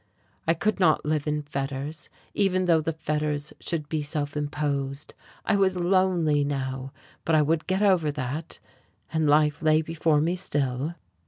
I could not live in fetters, even though the fetters should be self imposed. I was lonely now, but I would get over that, and life lay before me still.